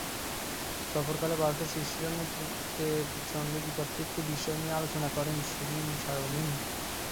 সফরকালে ভারতের শীর্ষ নেতৃত্বের সঙ্গে দ্বিপক্ষীয় বিষয় নিয়ে আলোচনা করেন শিরীন শারমিন।